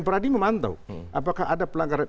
peradi memantau apakah ada pelanggaran